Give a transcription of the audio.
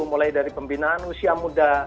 mulai dari pembinaan usia muda